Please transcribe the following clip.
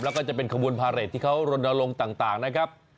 แล้วก็จะเป็นขบวนพาเรทที่เขารณรงค์ต่างนะครับ